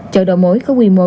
chợ đầu mối có quy mô